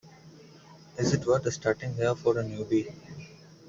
Is it worth starting here for a newbie?